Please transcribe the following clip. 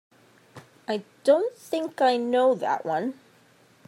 I don't think I know that one.